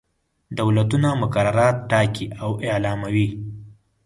دولتونه مقررات ټاکي او اعلاموي.